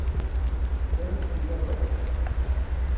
เซนต์ปีเตอร์สเบิร์ก